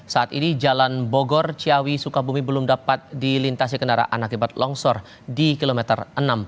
saat ini jalan bogor ciawi sukabumi belum dapat dilintasi kendaraan akibat longsor di kilometer enam puluh